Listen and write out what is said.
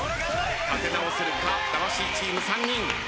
立て直せるか魂チーム３人。